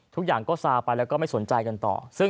ทุกอย่างก็ซาไปแล้วก็ไม่สนใจกันต่อ